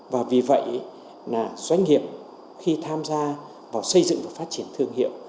và vì vậy doanh nghiệp khi tham gia vào xây dựng và phát triển thương hiệu